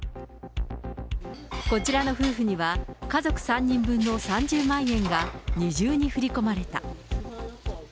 こちらの夫婦には、家族３人分の３０万円が二重に振り込まれた。